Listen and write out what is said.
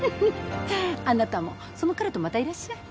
あなたもその彼とまたいらっしゃい。